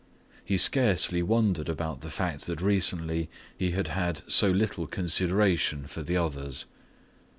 He scarcely wondered about the fact that recently he had had so little consideration for the others.